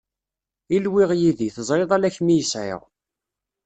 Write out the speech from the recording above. Ilwiɣ yid-i, teẓriḍ ala kem i sɛiɣ